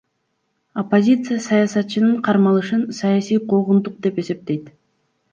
Оппозиция саясатчынын кармалышын саясий куугунтук деп эсептейт.